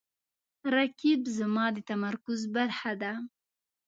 رقیب زما د تمرکز برخه ده